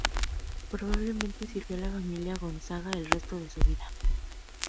Probablemente sirvió a la familia Gonzaga el resto de su vida.